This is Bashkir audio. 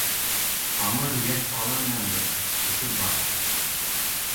Ҡамыр йәш бала менән бер, өшөп бара.